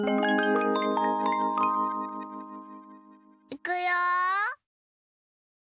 いくよ。